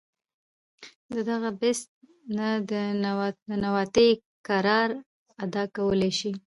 د دغه “Beast” نه د ننواتې کردار ادا کولے شي